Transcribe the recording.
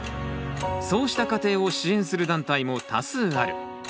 そうした家庭を支援する団体も多数ある。